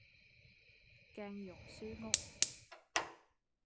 鏡蓉書屋